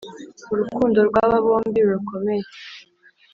urukundo rw’aba bombi rukomeye